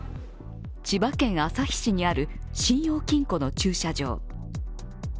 千葉県旭市にある信用金庫の駐車場。